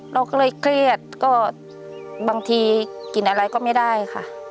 เราก็เลยเครียดก็บางทีกินอะไรก็ไม่ได้ค่ะ